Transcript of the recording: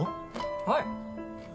はい。